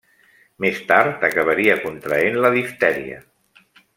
Més tard acabaria contraent la diftèria.